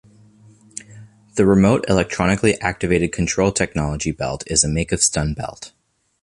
The Remote Electronically Activated Control Technology belt is a make of stun belt.